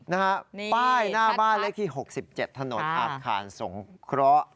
นะฮะป้ายหน้าบ้านเลขที่๖๗ถนนอาคารสงเคราะห์